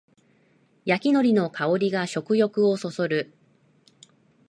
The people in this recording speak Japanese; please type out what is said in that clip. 焼きのりの香りが食欲をそそる